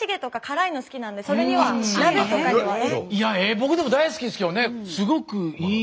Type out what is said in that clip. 僕でも大好きですけどね。